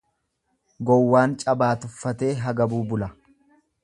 Gowwaan cabaa tuffatee hagabuu bula.